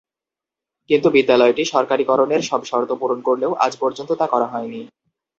কিন্তু বিদ্যালয়টি সরকারীকরণের সব শর্ত পূরণ করলেও আজ পর্যন্ত তা করা হয়নি।